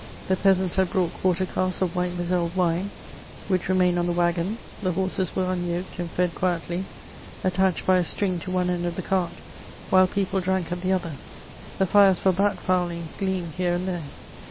The peasants had brought quarter casks of white Mosdle wine, which remained on the waggons ; the horses were unyoked and fed quietljy attached by a string to one end of the cart, while people drank at the other. The fires for bat fowling gleamed here and there.